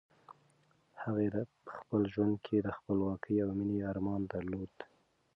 هغې په خپل زړه کې د خپلواکۍ او مېنې ارمان درلود.